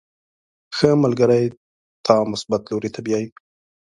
• ښه ملګری تا مثبت لوري ته بیایي.